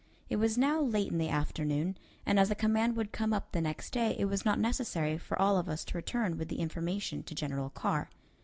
It was now late in the afternoon, and as the command would come up the next day, it was not necessary for all of us to return with the information to General Carr.